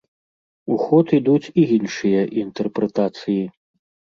У ход ідуць і іншыя інтэрпрэтацыі.